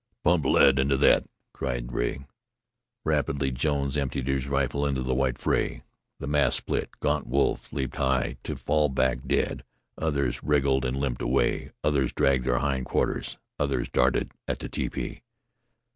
"Pump lead into thet!" cried Rea. Rapidly Jones emptied his rifle into the white fray. The mass split; gaunt wolves leaped high to fall back dead; others wriggled and limped away; others dragged their hind quarters; others darted at the tepee.